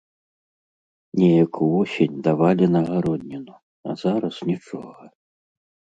Неяк увосень давалі на гародніну, а зараз нічога.